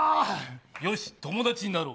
よし、友達になろう。